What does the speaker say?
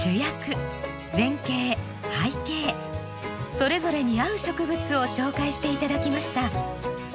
それぞれに合う植物を紹介していただきました。